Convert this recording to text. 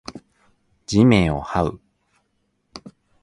地面を這う